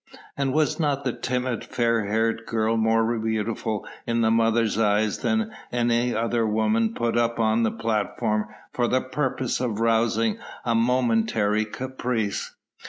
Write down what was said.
And was not the timid, fair haired girl more beautiful in the mother's eyes than any other woman put up on the platform for the purpose of rousing a momentary caprice.